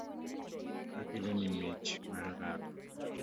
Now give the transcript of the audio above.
Akeloni mich mar lau.